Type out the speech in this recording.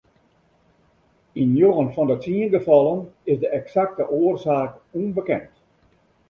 Yn njoggen fan de tsien gefallen is de eksakte oarsaak ûnbekend.